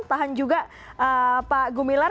tahan juga pak gumilar